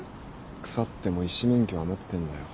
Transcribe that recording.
腐っても医師免許は持ってんだよ。